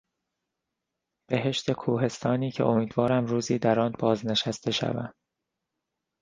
بهشت کوهستانی که امیدوارم روزی در آن بازنشسته شوم.